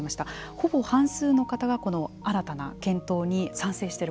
ほぼ半数の方がこの新たな検討に賛成している。